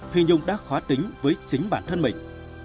phi nhung đã khó tính với chính bản thân mình